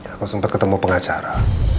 aku sempat ketemu pengacara